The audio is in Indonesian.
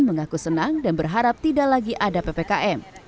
mengaku senang dan berharap tidak lagi ada ppkm